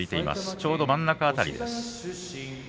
ちょうど真ん中辺りです。